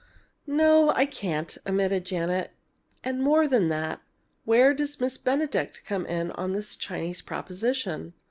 "No, I can't," admitted Janet. "And, more than that, where does Miss Benedict come in on this Chinese proposition?